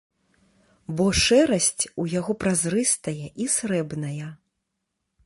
Бо шэрасць у яго празрыстая і срэбная.